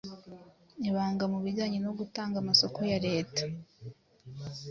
ibanga mu bijyanye no gutanga amasoko ya Leta,